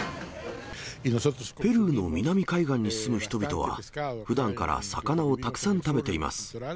ペルーの南海岸に住む人々は、ふだんから魚をたくさん食べています。